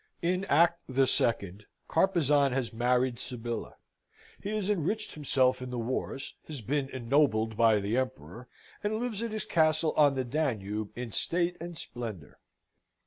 In act the second, Carpezan has married Sybilla. He has enriched himself in the wars, has been ennobled by the Emperor, and lives at his castle on the Danube in state and splendour.